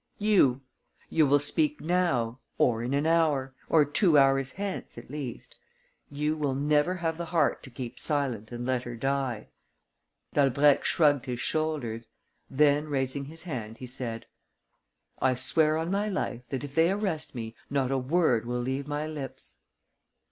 "You. You will speak now, or in an hour, or two hours hence at least. You will never have the heart to keep silent and let her die." Dalbrèque shrugged his shoulders. Then, raising his hand, he said: "I swear on my life that, if they arrest me, not a word will leave my lips."